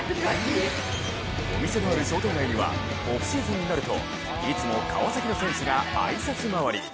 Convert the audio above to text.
お店のある商店街には、オフシーズンになるといつも川崎の選手が挨拶回り。